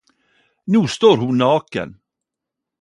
Når ho står naken